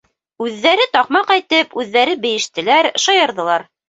Үҙҙәре таҡмаҡ әйтеп, үҙҙәре бейештеләр, шаярҙылар.